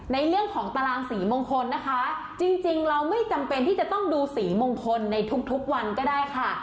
ในเรื่องของตารางสีมงคลนะคะจริงเราไม่จำเป็นที่จะต้องดูสีมงคลในทุกวันก็ได้ค่ะ